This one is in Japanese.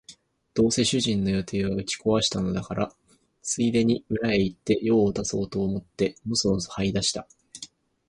どうせ主人の予定は打ち壊したのだから、ついでに裏へ行って用を足そうと思ってのそのそ這い出した